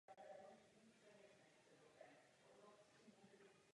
Často jsme již zažili nefungující radiové spojení mezi různými zeměmi.